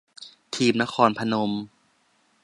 ทีมนครพนม